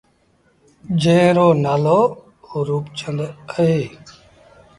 جݩهݩ رو نآلو روپچند اهي۔